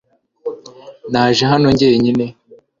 Naje hano njyenyine